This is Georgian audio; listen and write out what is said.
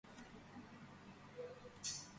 ჩვენში გავრცელებულია სახეობები უეკლო ბუჩქებია.